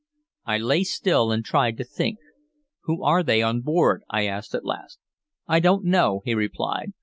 I lay still and tried to think. "Who are they on board?" I asked at last. "I don't know," he replied.